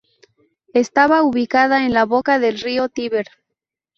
Estaba ubicada en la boca del río Tíber.